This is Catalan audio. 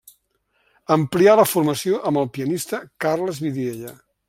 Amplià la formació amb el pianista Carles Vidiella.